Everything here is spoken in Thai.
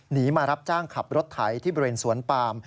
หนีมารับจ้างขับรถไถที่บริเวณสวนปาม